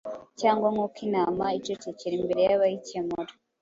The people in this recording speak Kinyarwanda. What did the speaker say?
cyangwa nk’uko intama icecekera imbere y’abayikemura,